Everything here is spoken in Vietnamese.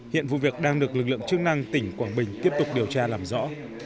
hiện vụ việc đang được lực lượng chức năng tỉnh quảng bình tiếp tục điều tra làm rõ